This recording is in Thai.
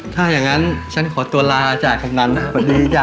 ถ้าอย่างนั้นฉันขอตัวลาจากำนันนะสวัสดีจ๊ะ